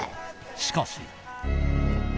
しかし！